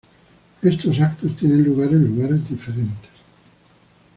Estos eventos tiene lugar en lugares diferentes.